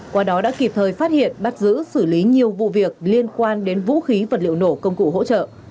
qua đó đã kịp thời phát hiện bắt giữ xử lý nhiều vụ việc liên quan đến vũ khí vật liệu nổ công cụ hỗ trợ